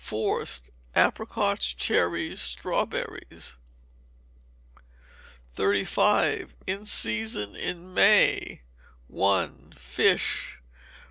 Forced: Apricots, cherries, strawberries. 35. In Season in May. i. Fish.